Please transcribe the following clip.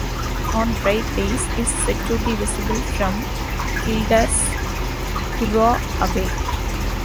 On bright days is said to be visible from Kildare's Curragh away.